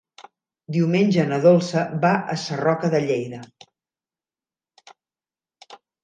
Diumenge na Dolça va a Sarroca de Lleida.